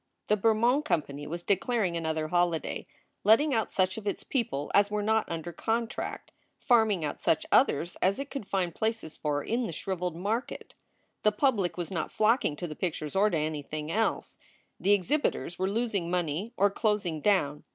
The Bermond Company was declaring another holiday, letting out such of its people as were not under contract, farming out such others as it could find places for in the shriveled market. The public was not flocking to the pictures or to anything else. The exhibitors were losing money or closing down.